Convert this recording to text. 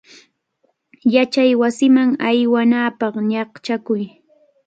Yachaywasiman aywanapaq ñaqchakuy.